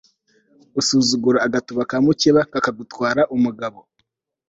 usuzugura agatuba ka mucyeba kakagutwara umugabo